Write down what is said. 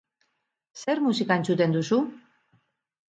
Zer musika entzuten duzu?